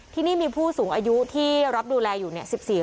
ที่นี่มีผู้สูงอายุที่รับดูแลอยู่๑๔ราย